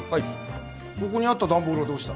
ここにあった段ボールはどうした？